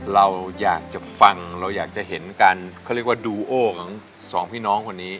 เราอยากจะฟังเราอยากจะเห็นการเขาเรียกว่าดูโอของสองพี่น้องคนนี้